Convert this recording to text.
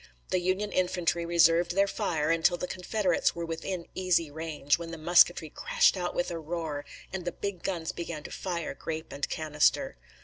The Union infantry reserved their fire until the Confederates were within easy range, when the musketry crashed out with a roar, and the big guns began to fire grape and canister.